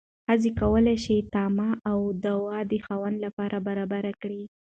ښځه کولی شي طعام او دوا د خاوند لپاره برابره کړي.